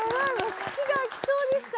口が開きそうでした！